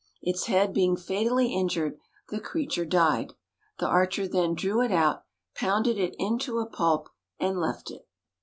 Its head being fatally injured, the creature died. The archer then drew it out, pounded it into a pulp, and left it.